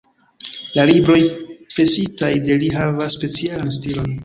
La libroj presitaj de li havas specialan stilon.